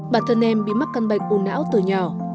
bản thân em bị mắc căn bệnh u não từ nhỏ